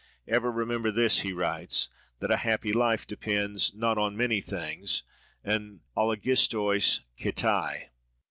"Ever remember this," he writes, "that a happy life depends, not on many things—en oligistois keitai."